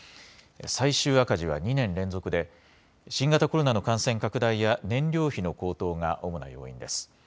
最終赤字は２年連続で、新型コロナの感染拡大や燃料費の高騰が主な要因です。